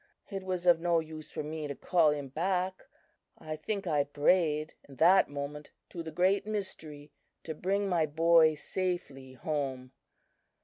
It was of no use for me to call him back I think I prayed in that moment to the Great Mystery to bring my boy safely home.